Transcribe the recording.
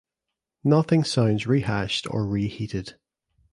Nothing sounds rehashed or reheated.